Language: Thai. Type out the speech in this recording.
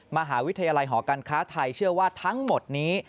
มหาวิทยาลัยหอการค้าไทยเชื่อว่าทั้งหมดนี้